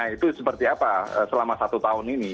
itu seperti apa selama satu tahun ini